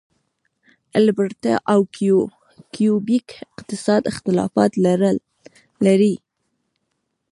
البرټا او کیوبیک اقتصادي اختلافات لري.